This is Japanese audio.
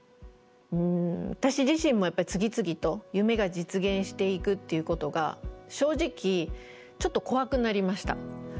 私自身もやっぱり次々と夢が実現していくっていうことが正直ちょっと怖くなりました。